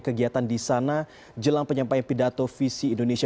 kegiatan di sana jelang penyampaian pidato visi indonesia